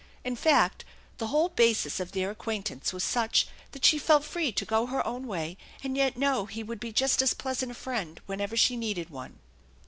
In fact, the whole basis of their acquaintance was such that she felt free to go her own way and yet know he would be just as pleasant a friend whenever she needed one.